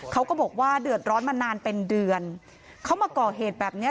เขาก็บอกว่าเดือดร้อนมานานเป็นเดือนเขามาก่อเหตุแบบเนี้ย